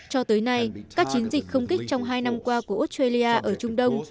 cho tới nay các chiến dịch không kích trong hai năm qua của australia ở trung đông